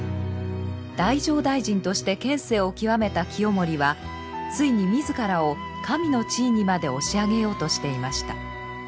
太政大臣として権勢を極めた清盛はついに自らを神の地位にまで押し上げようとしていました。